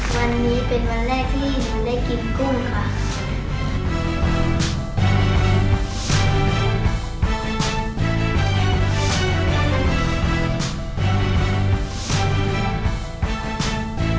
วันนี้เป็นวันแรกที่หนูได้กินกุ้งค่ะ